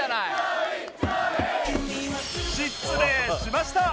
失礼しました！